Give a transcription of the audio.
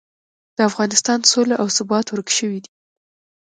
د افغانستان سوله او ثبات ورک شوي دي.